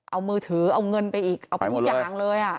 เอามือถือเอาเงินไปอีกเอาไปทุกอย่างเลย